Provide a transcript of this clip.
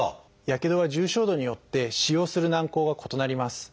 やけどは重症度によって使用する軟こうが異なります。